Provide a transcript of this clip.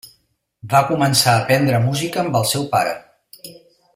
Va començar a aprendre música amb el seu pare.